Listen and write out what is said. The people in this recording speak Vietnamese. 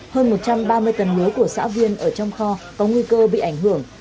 hơn một trăm ba mươi tấn lúa của xã viên ở trong kho có nguy cơ bị ảnh hưởng